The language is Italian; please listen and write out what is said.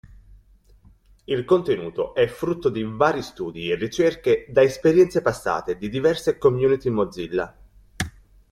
Il contenuto è frutto di vari studi e ricerche da esperienze passate di diverse community Mozilla.